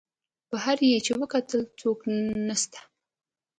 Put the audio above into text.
بهر یې چې وکتل هېڅوک نسته.